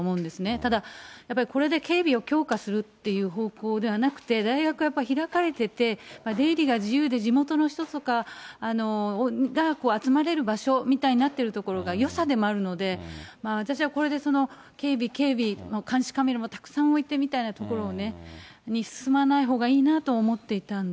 ただやっぱり、これで警備を強化するっていう方向ではなくて、大学はやっぱり開かれていて、出入りが自由で、地元の人とかが集まれる場所みたいになってるところがよさでもあるので、私はこれで警備、警備の監視カメラもたくさん置いてみたいなところに進まないほうがいいなと思っていたんで。